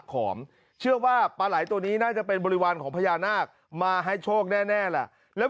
ขอมเชื่อว่าปลาไหล่ตัวนี้น่าจะเป็นบริวารของพญานาคมาให้โชคแน่แหละแล้ว